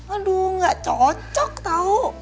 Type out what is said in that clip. aduh nggak cocok tahu